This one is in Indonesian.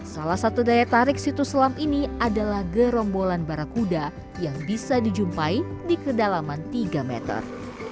salah satu daya tarik situs selam ini adalah gerombolan barakuda yang bisa dijumpai di kedalaman tiga meter